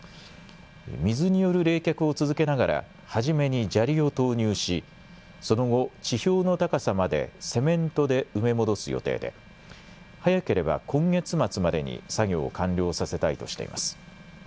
水による冷却を続けながら初めに砂利を投入しその後、地表の高さまでセメントで埋め戻す予定で早ければ今月末までに作業を完了させたいとしています。